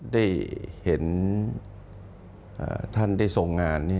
ได้เห็นท่านได้ทรงงาน